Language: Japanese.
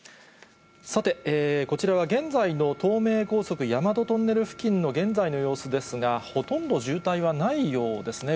さて、こちらは現在の東名高速大和トンネル付近の現在の様子ですが、ほとんど渋滞はないようですね。